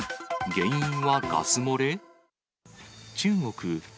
原因はガス漏れ？